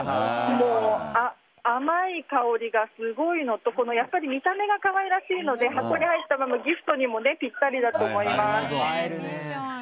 甘い香りがすごいのとやっぱり見た目が可愛らしいので箱に入ったままギフトにもぴったりだと思います。